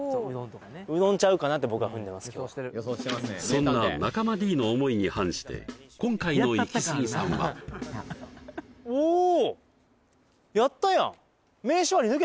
そんな中間Ｄの思いに反して今回のイキスギさんはおお！